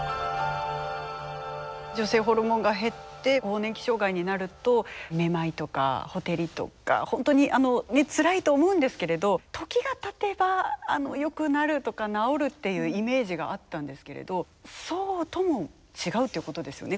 女性ホルモンが減って更年期障害になるとめまいとかほてりとか本当につらいと思うんですけれど時がたてばよくなるとか治るっていうイメージがあったんですけれどそうとも違うということですよね。